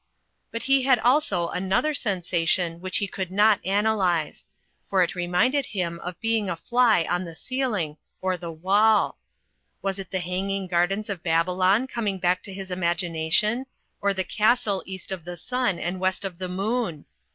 But he had also another sensation which he could not analyze; for it reminded him of being a fly on the ceiling or the wall. Was it the Hanging Gardens of Babylon coming back to his imagination ; or the Castle East of the Sun and West of the Moon?